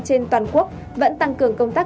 trên toàn quốc vẫn tăng cường công tác